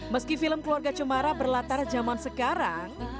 meski film keluarga cemara berlatar zaman sekarang